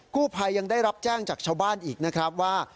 กู้ภัยยังได้รับแจ้งจากชาวบ้านอีกนะครับว่า